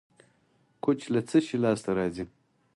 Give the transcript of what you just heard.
کوچ له څه شي لاسته راځي؟